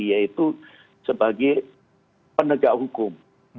yaitu sebagai penegak hukum